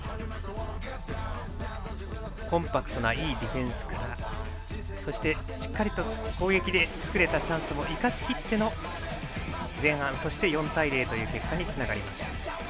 コンパクトないいディフェンスからそして、しっかりと攻撃で作れたチャンスも生かしきっての前半そして４対０という結果につながりました。